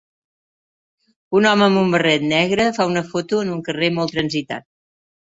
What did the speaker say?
Un home amb un barret negre fa una foto en un carrer molt transitat.